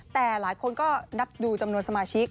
แต่หลายคนก็นับดูจำนวนสมาชิก